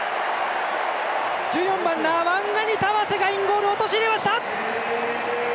１４番、ナワンガニタワセがインゴールを陥れました！